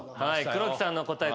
黒木さんの答え。